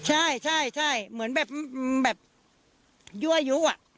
ใช่ใช่เหมือนแบบยั่วยุอ่ะ